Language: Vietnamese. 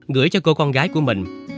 ngửi cho cô con gái của mình